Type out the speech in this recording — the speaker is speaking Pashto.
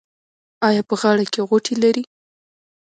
ایا په غاړه کې غوټې لرئ؟